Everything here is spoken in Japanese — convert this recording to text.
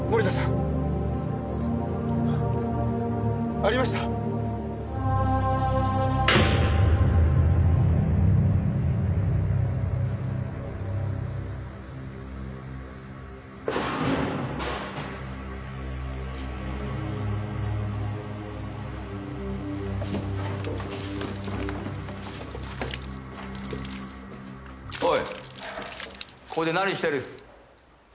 ここで何してる？